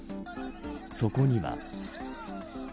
そこには。